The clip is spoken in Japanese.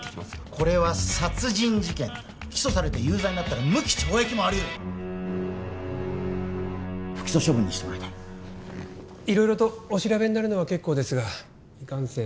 これは殺人事件だ起訴されて有罪になったら無期懲役もありうる不起訴処分にしてもらいたい色々とお調べになるのは結構ですがいかんせん